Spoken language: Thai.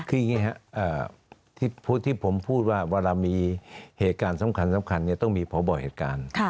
คืออย่างนี้ครับผู้ที่ผมพูดว่าเวลามีเหตุการณ์สำคัญต้องมีพบเหตุการณ์